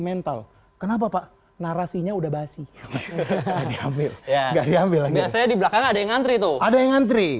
mental kenapa pak narasinya udah basiha diambil biasanya di belakang ada yang ngantri tuh ada yang ngantri